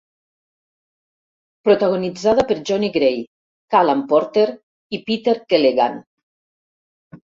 Protagonitzada per Jonny Gray, Callan Potter i Peter Keleghan.